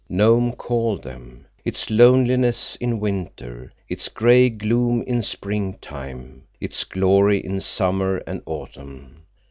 Nome called them. Its loneliness in winter. Its gray gloom in springtime. Its glory in summer and autumn.